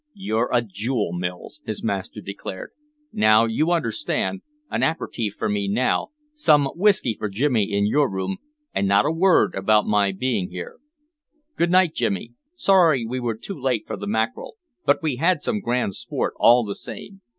"You're a jewel, Mills," his master declared. "Now you understand an aperitif for me now, some whisky for Jimmy in your room, and not a word about my being here. Good night, Jimmy. Sorry we were too late for the mackerel, but we had some grand sport, all the same.